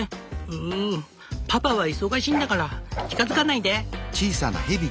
うぅパパは忙しいんだから近づかないで！